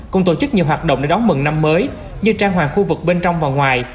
cùng tổ chức nhiều hoạt động để đón mừng năm mới như trang hoàng khu vực bên trong và ngoài